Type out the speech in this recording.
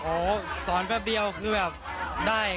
โอ้โหสอนแป๊บเดียวคือแบบได้